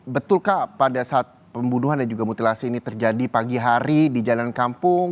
betulkah pada saat pembunuhan dan juga mutilasi ini terjadi pagi hari di jalan kampung